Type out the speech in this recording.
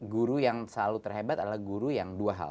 guru yang selalu terhebat adalah guru yang dua hal